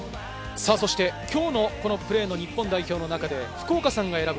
今日のこのプレー、日本代表の中で福岡さんが選ぶ